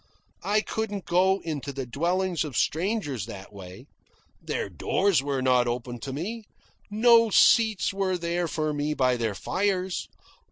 I couldn't go into the dwellings of strangers that way. Their doors were not open to me; no seats were there for me by their fires.